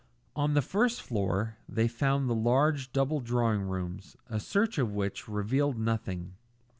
On the first floor they found the large double drawing rooms, a search of which revealed nothing.